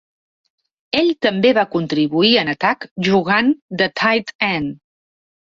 Ell també va contribuir en atac jugant de tight end.